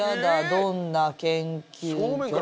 「どんな研究所？」